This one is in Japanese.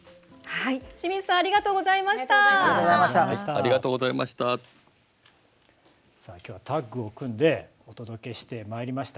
清水さんありがとうございました。